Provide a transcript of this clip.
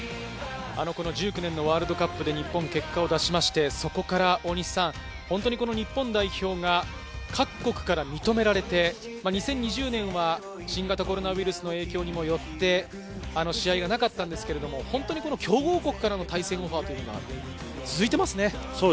１９年のワールドカップで日本、結果を出しまして、そこから本当に日本代表が各国から認められて、２０２０年は新型コロナウイルスの影響によって試合がなかったんですが、本当に強豪国からの対戦オファーというのが続いていますね。